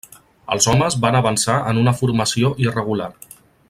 Els homes van avançar en una formació irregular.